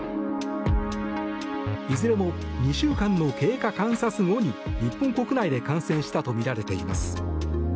いずれも２週間の経過観察後に日本国内で感染したとみられています。